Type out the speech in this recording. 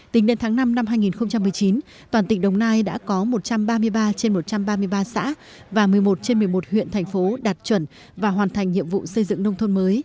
tính đến tháng năm năm hai nghìn một mươi chín toàn tỉnh đồng nai đã có một trăm ba mươi ba trên một trăm ba mươi ba xã và một mươi một trên một mươi một huyện thành phố đạt chuẩn và hoàn thành nhiệm vụ xây dựng nông thôn mới